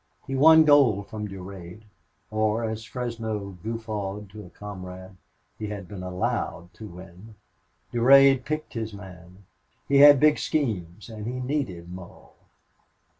He won gold from Durade, or, as Fresno guffawed to a comrade, he had been allowed to win it. Durade picked his man. He had big schemes and he needed Mull.